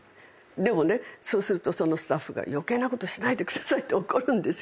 でもねそうするとそのスタッフが「余計なことしないでください！」って怒るんですけど。